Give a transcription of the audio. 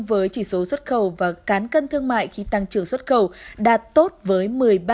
với chỉ số xuất khẩu và cán cân thương mại khi tăng trưởng xuất khẩu đạt tốt với một mươi ba ba